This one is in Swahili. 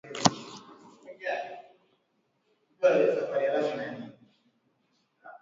Sukuma buruweti na upeleke mioko mu nsoko